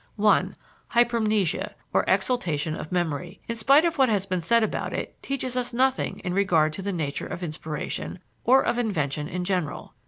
1. Hypermnesia, or exaltation of memory, in spite of what has been said about it, teaches us nothing in regard to the nature of inspiration or of invention in general.